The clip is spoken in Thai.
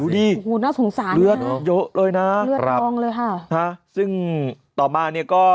ดูดินะรู้สึกดีเลือดเยอะเลยนะครับซึ่งต่อมาเนี่ยก็